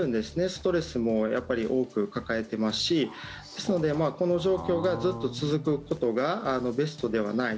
ストレスも多く抱えてますしですので、この状況がずっと続くことがベストではない。